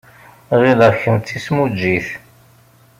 Ɣileɣ kemm d timsujjit.